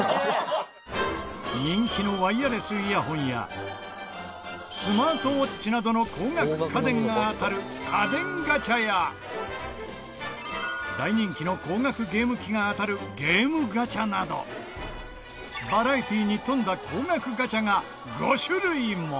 人気のワイヤレスイヤホンやスマートウォッチなどの高額家電が当たる家電ガチャや大人気の高額ゲーム機が当たるゲームガチャなどバラエティーに富んだ高額ガチャが５種類も！